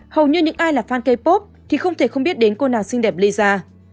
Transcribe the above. hầu như những ai là fan k pop thì không thể không biết đến cô nàng xinh đẹp lisa